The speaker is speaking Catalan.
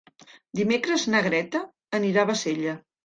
Dimecres na Greta anirà a Bassella.